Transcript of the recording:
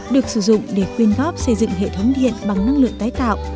được sử dụng để quyên góp xây dựng hệ thống điện bằng năng lượng tái tạo